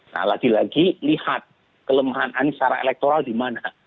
nah lagi lagi lihat kelemahan anies secara elektoral di mana